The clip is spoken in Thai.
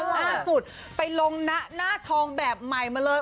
ล่าสุดไปลงนะหน้าทองแบบใหม่มาเลย